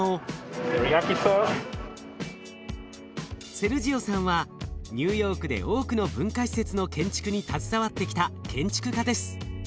セルジオさんはニューヨークで多くの文化施設の建築に携わってきた建築家です。